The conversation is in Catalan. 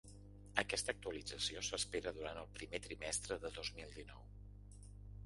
Aquesta actualització s’espera durant el primer trimestre de dos mil dinou.